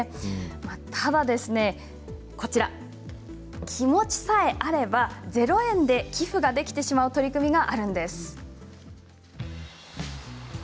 ただ、こちら気持ちさえあれば０円で寄付できるという取り組みがあります。